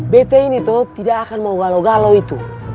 betta ini tuh tidak akan mau galau galau itu